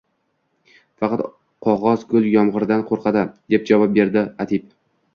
— Faqat qog’oz gul yomg’irdan qo’rqadi, — deb javob berdi adib.